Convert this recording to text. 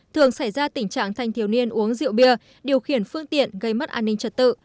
thường xảy ra tình trạng thanh thiếu niên uống rượu bia điều khiển phương tiện gây mất an ninh trật tự